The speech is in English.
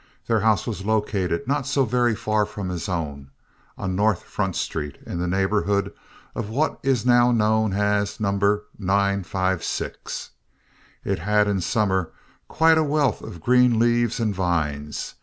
Their house was located not so very far from his own, on North Front Street, in the neighborhood of what is now known as No. 956. It had, in summer, quite a wealth of green leaves and vines.